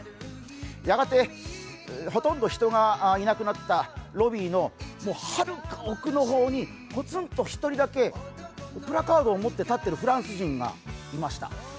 やがてほとんど人がいなくなったロビーの、はるか奥の方にポツンと一人だけプラカードを持って立っているフランス人がいました。